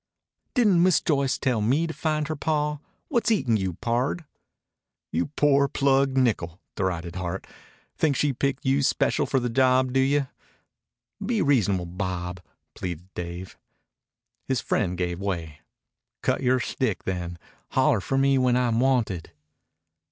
"Didn't Miss Joyce tell me to find her paw? What's eatin' you, pard?" "You pore plugged nickel!" derided Hart. "Think she picked you special for this job, do you?" "Be reasonable, Bob," pleaded Dave. His friend gave way. "Cut yore stick, then. Holler for me when I'm wanted."